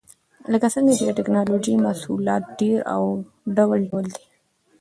لکه څنګه چې د ټېکنالوجۍ محصولات ډېر او ډول ډول دي.